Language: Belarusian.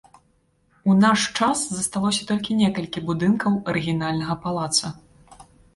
У наш час засталося толькі некалькі будынкаў арыгінальнага палаца.